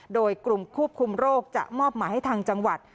โดยกลุ่มควบคุมโรคจะมอบหมายให้ทางจังหวัด